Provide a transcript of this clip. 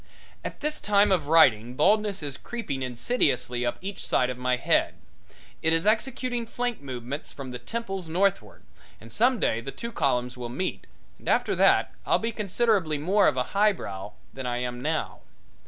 At this time of writing baldness is creeping insidiously up each side of my head. It is executing flank movements from the temples northward, and some day the two columns will meet and after that I'll be considerably more of a highbrow than I am now.